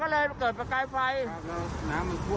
เป็นรถบุรีต่อเนื่องที่เรื่องของไฟไหม้เลยนะคะเดี๋ยวพาไปที่รถบุรี